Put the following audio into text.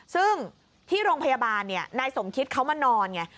ซึ่งที่โรงพยาบาลนายสมคิตเขามานอนไง